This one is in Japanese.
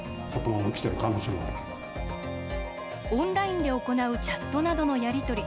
オンラインで行うチャットなどのやり取り。